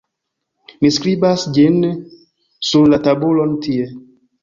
mi skribas ĝin sur la tabulon tie.